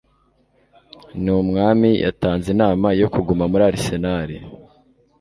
Ni umwami yatanze inama yo kuguma muri Arsenal